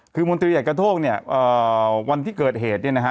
คือมนตรีใหญ่กระโทกเนี่ยวันที่เกิดเหตุเนี่ยนะฮะ